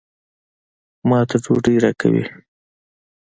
ما ته ډوډۍ راکوي.